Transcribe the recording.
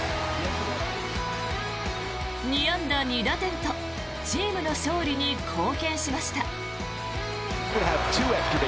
２安打２打点とチームの勝利に貢献しました。